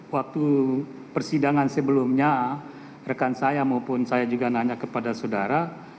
waktu persidangan sebelumnya rekan saya maupun saya juga nanya kepada saudara